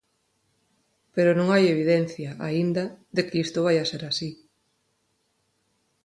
Pero non hai evidencia, aínda, de que isto vaia ser así.